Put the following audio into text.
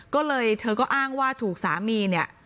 ก็เลยเธอก็อ้างว่าถูกสามีเนี่ย